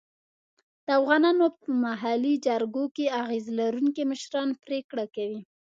د افغانانو په محلي جرګو کې اغېز لرونکي مشران پرېکړه کوي.